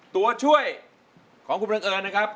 ตัวช่วยของคุณบังเอิญนะครับ